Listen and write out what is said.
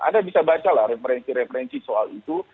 anda bisa baca lah referensi referensi soal itu